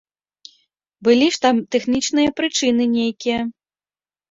Былі ж там тэхнічныя прычыны нейкія.